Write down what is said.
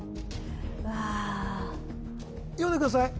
うわ読んでください